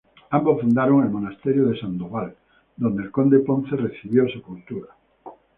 Ambos fundaron el Monasterio de Sandoval donde el conde Ponce recibió sepultura.